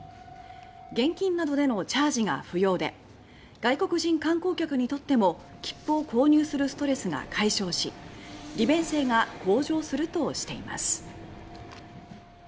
現金などでのチャージが不要で外国人観光客にとっても切符を購入するストレスが解消し利便性が向上するとしています。